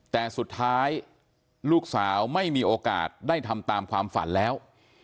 แต่สุดท้ายลูกสาวไม่มีโอกาสได้ทำตามความฝันแล้ว